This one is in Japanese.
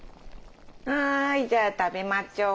はいじゃあ食べまちょう。